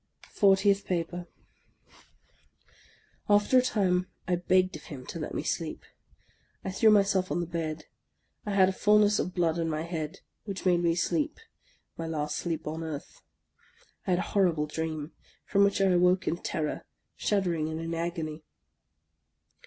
90 THE LAST DAY FORTIETH PAPER AFTER a time, I begged of him to let me sleep. I threw myself on the bed. I had a fulness of blood in my head which made me sleep, — my last sleep on earth. I had a horrible dream, from which I awoke in terror, shuddering and in agony.